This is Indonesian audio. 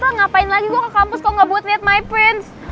tuh ngapain lagi gue ke kampus kalo gak buat liat my prince